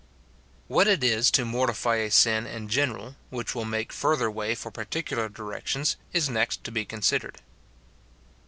What it is to mortify a sin in general, which will make further way for particular directions, is next to be con sidered.